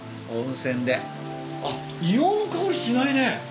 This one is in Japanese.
あっ硫黄の香りしないね。